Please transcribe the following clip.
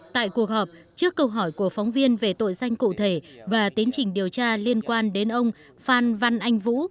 tại cuộc họp trước câu hỏi của phóng viên về tội danh cụ thể và tiến trình điều tra liên quan đến ông phan văn anh vũ